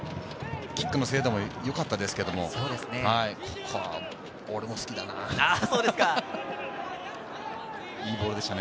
キックの精度もよかったですけども、いいボールでしたね。